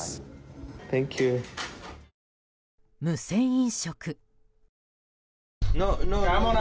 無銭飲食。